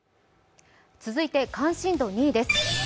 続いて関心度２位です。